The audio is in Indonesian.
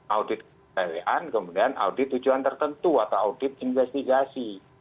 audit cewekan kemudian audit tujuan tertentu atau audit investigasi